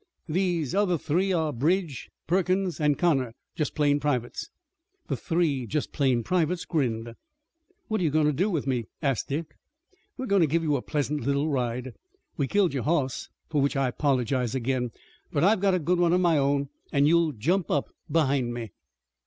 These other three are Bridge, Perkins, and Connor, just plain privates." The three "just plain privates" grinned. "What are you going to do with me?" asked Dick. "We're goin' to give you a pleasant little ride. We killed your hoss, for which I 'pologize again, but I've got a good one of my own, and you'll jump up behind me."